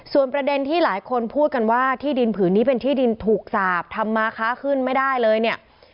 ส่วนประเด็นที่หลายคนพูดกันว่าที่ดินผืนนี้เป็นที่ดินถูกสาปทำมาค้าขึ้นไม่ได้เลยเนี่ย